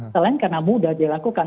selain karena mudah dilakukan